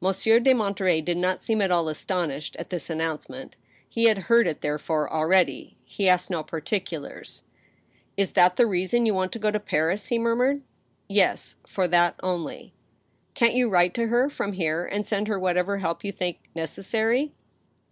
Monsieur de Monterey did not seem at all astonished at this an nouncement. He had beard it, therefore, already. He asked no particulars. " Is that the reason you want go to Paris ?" he murmured. " Yes— for that only." "Can't yoQ write to her ... from here, ... and send her whatever help you think necessary